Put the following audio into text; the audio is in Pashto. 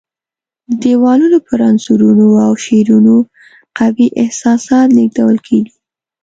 د دیوالونو پر انځورونو او شعرونو قوي احساسات لېږدول کېږي.